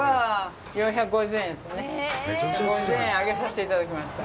５０円上げさせていただきました。